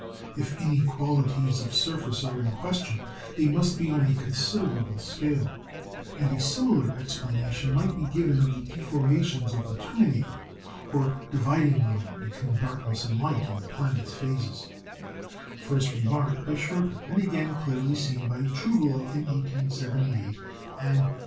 If inequalities of surface are in question, they must be on a considerable scale; and a similar explanation might be given of the deformations of the "terminator" or dividing line between darkness and light in the planet's phases first remarked by Schröter, and again clearly seen by Trouvelot in 1878 and 1881.